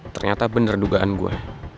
ternyata bener dugaan gue